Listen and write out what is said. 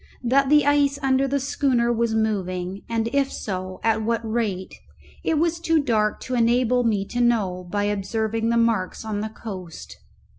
That the ice under the schooner was moving, and if so, at what rate, it was too dark to enable me to know by observing the marks on the coast.